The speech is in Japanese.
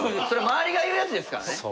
それ周りが言うやつですからね。